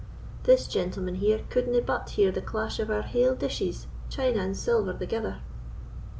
This gentleman here couldna but hear the clash of our haill dishes, china and silver thegither?"